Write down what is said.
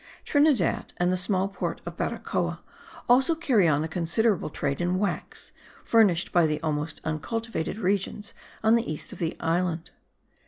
Trinidad and the small port of Baracoa also carry on a considerable trade in wax, furnished by the almost uncultivated regions on the east of the island.